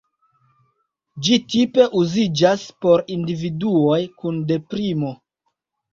Ĝi tipe uziĝas por individuoj kun deprimo.